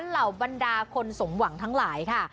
เหล่าบรรดาคนสมหวังทั้งหลายค่ะ